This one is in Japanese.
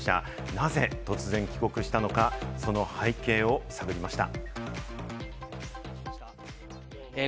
なぜ突然帰国したのか、その背景を探りました。